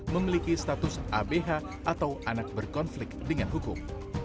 memiliki status abh atau anak berkonflik dengan hukum